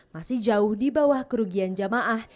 masih jauh di bawah kerugian jamaah